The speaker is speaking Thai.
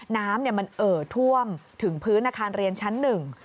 น้ำมันเอ่อท่วมถึงพื้นอาคารเรียนชั้นหนึ่ง